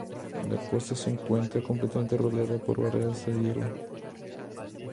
La costa se encuentra completamente rodeada por barreras de hielo.